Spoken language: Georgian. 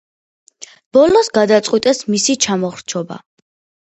ბოლოს გადაწყვიტეს მისი ჩამოხრჩობა.